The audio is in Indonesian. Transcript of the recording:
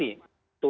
itu untuk pemusuhan